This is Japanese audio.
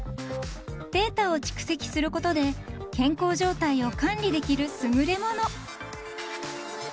［データを蓄積することで健康状態を管理できる優れもの］